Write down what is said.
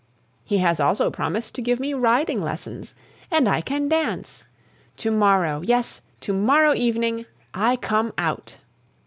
He has also promised to give me riding lessons. And I can dance! To morrow, yes, to morrow evening, I come out!